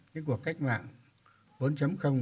cái cuộc cách mạng bốn